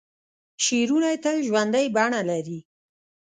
شعرونه یې تل ژوندۍ بڼه لري.